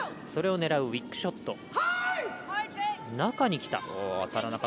それを狙うウィックショット。